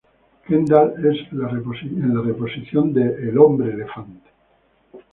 Kendal en la reposición de "El hombre elefante".